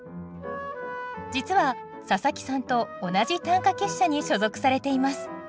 実は佐佐木さんと同じ短歌結社に所属されています。